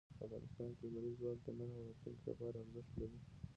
افغانستان کې لمریز ځواک د نن او راتلونکي لپاره ارزښت لري.